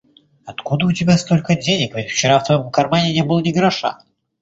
Откуда у тебя столько денег, ведь вчера в твоём кармане не было ни гроша?